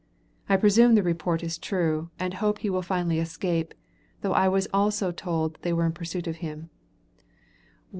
I presume the report is true, and hope he will finally escape, though I was also told that they were in pursuit of him.